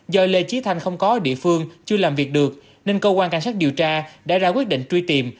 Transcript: do lê trí thanh không có ở địa phương chưa làm việc được nên cơ quan cảnh sát điều tra đã ra quyết định truy tìm